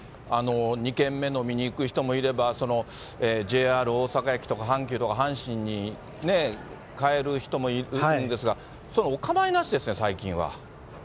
２軒目飲みに行く人もいれば、ＪＲ大阪駅とか、阪急とか、阪神に帰る人もいるんですが、そういうのおかまいなしですね、最近は。